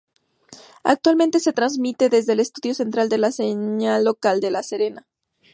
Actualmente se transmite desde el estudio central de la señal local en La Serena.